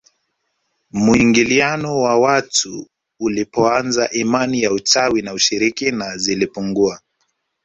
Muingiliano wa watu ulipoanza imani ya uchawi na ushirikina zilipungua